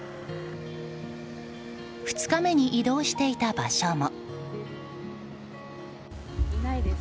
２日目に移動していた場所も。